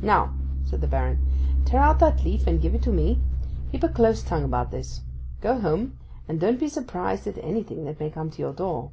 'Now,' said the Baron, 'tear out that leaf and give it to me. Keep a close tongue about this; go home, and don't be surprised at anything that may come to your door.